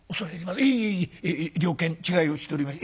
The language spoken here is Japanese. いえいえいえ了見違いをしておりました。